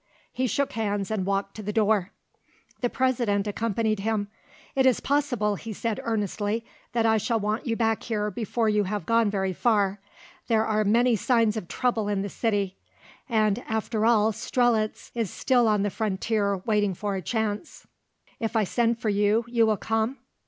He shook hands and walked to the door. The President accompanied him. "It is possible," he said earnestly, "that I shall want you back here before you have gone very far; there are many signs of trouble in the city, and after all Strelitz is still on the frontier waiting for a chance. If I send for you, you will come?"